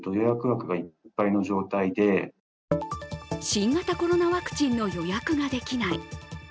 新型コロナワクチンの予約ができない。